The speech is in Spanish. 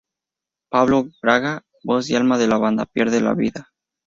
Pablo Braga, voz y alma de la banda, pierde la vida.